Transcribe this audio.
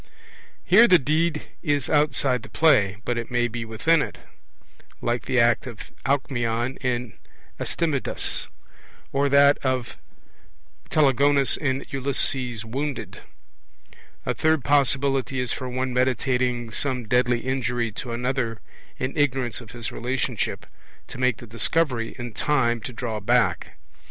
Here the deed is outside the play; but it may be within it, like the act of the Alcmeon in Astydamas, or that of the Telegonus in Ulysses Wounded. A third possibility is for one meditating some deadly injury to another, in ignorance of his relationship, to make the discovery in time to draw back.